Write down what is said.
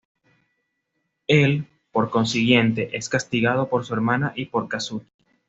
Él, por consiguiente, es castigado por su hermana y por Kazuki.